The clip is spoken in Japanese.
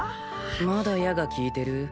まだ矢が効いてる？